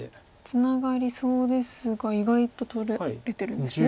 ツナがりそうですが意外と取られてるんですね。